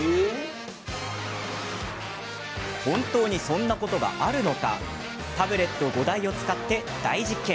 本当にそんなことがあるのかタブレット５台を使って大実験。